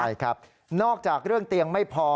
ใช่ครับนอกจากเรื่องเตียงไม่พอ